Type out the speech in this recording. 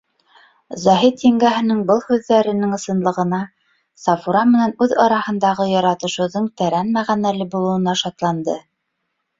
Заһит еңгәһенең был һүҙҙәренең ысынлығына, Сафура менән үҙ араһындағы яратышыуҙың тәрән мәғәнәле булыуына шатланды.